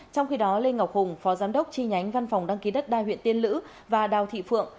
trong khi đó lê ngọc hùng phó giám đốc chi nhánh văn phòng đăng ký đất đai huyện tiên lữ và đào thị phượng